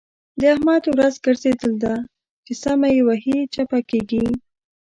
د احمد ورځ ګرځېدل ده؛ چې سمه يې وهي - چپه کېږي.